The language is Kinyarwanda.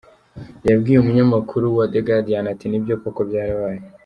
Yabwiye umunyamakuru wa The guardian ati:”Nibyo koko byarabaye.